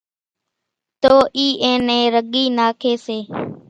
تو اِي اين نين رڳي ناکي سي